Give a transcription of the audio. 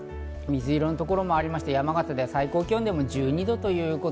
水色のところもありまして、山形では最高気温でも１２度。